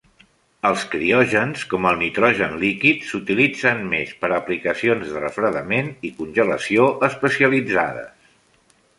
Els criògens, com el nitrogen líquid, s'utilitzen més per a aplicacions de refredament i congelació especialitzades.